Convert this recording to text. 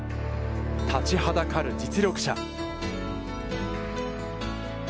立ちはだかる実力者。